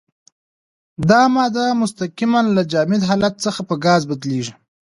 دا ماده مستقیماً له جامد حالت څخه په ګاز بدلیږي.